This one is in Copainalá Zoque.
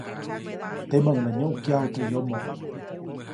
Temäʼuŋ nä nyuʼkyaju teʼ yomo.